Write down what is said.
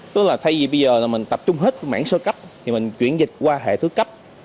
tức là thay vì bây giờ là mình tập trung hết mảng sơ cấp thì mình chuyển dịch qua hệ thứ cấp